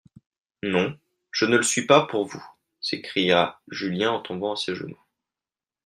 Non, je ne le suis pas pour vous, s'écria Julien en tombant à ses genoux.